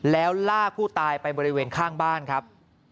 แล้วลากผู้ตายไปบริเวณข้างบ้านครับ